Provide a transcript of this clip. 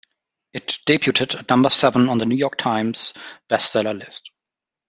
It debuted at number seven on the "New York Times" bestseller list.